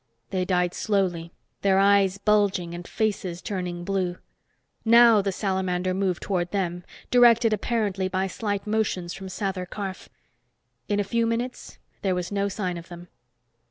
They died slowly, their eyes bulging and faces turning blue. Now the salamander moved toward them, directed apparently by slight motions from Sather Karf. In a few moments, there was no sign of them.